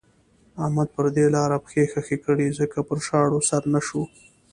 احمد پر دې لاره پښې خښې کړې ځکه پر شاړو سر نه شو.